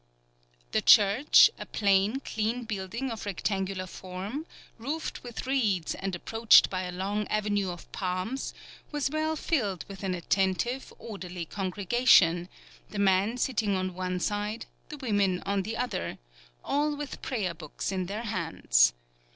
The church, a plain, clean building of rectangular form, roofed with reeds and approached by a long avenue of palms, was well filled with an attentive, orderly congregation, the men sitting on one side, the women on the other, all with prayer books in their hands.